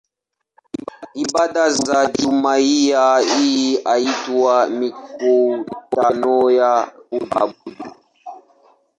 Ibada za jumuiya hii huitwa "mikutano ya kuabudu".